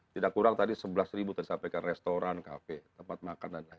tidak kurang tadi sebelas ribu tadi sampai ke restoran cafe tempat makan